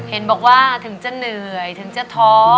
เห็นบอกว่าถึงจะเหนื่อยถึงจะท้อ